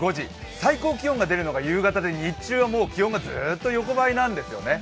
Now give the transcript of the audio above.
最高気温が出るのが夕方で日中は気温がずっと横ばいなんですよね。